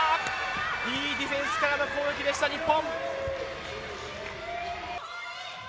いいディフェンスからの攻撃でした日本！